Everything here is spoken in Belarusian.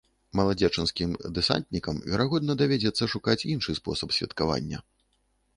Маладзечанскім дэсантнікам, верагодна, давядзецца шукаць іншы спосаб святкавання.